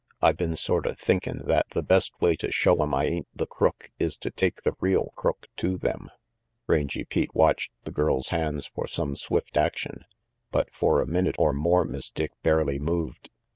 I been sorta thinkin' that the best way to show 'em I ain't the crook is to take the real crook to them." Rangy Pete watched the girl's hands for some swift action, but for a minute or more Miss Dick barely moved.